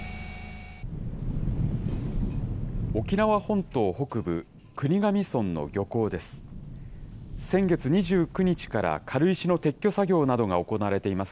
沖縄本島北部、国頭村の漁港です。